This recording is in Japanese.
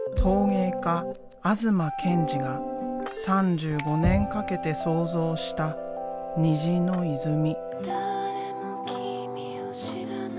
陶芸家東健次が３５年かけて創造した「虹の泉」。